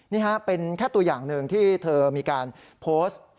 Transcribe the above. นี่ฮะเป็นแค่ตัวอย่างหนึ่งที่เธอมีการโพสต์